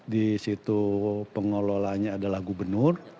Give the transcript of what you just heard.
disitu pengelolaannya adalah gubernur